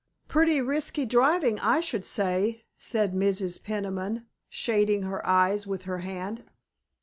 "Pretty risky driving, I should say," said Mrs. Peniman, shading her eyes with her hand.